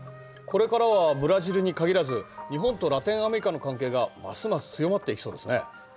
これからはブラジルに限らず日本とラテンアメリカの関係がますます強まっていきそうですね。